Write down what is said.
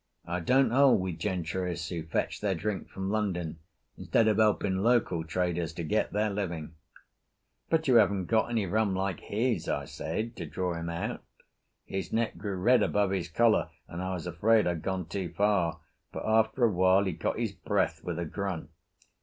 I don't hold with gentrice who fetch their drink from London instead of helping local traders to get their living." "But you haven't got any rum like his," I said, to draw him out. His neck grew red above his collar, and I was afraid I'd gone too far; but after a while he got his breath with a grunt.